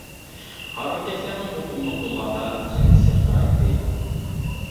ھارۋىكەشلەرنىڭ بۇ قۇملۇق يوللاردا جېنى سىرقىرايتتى.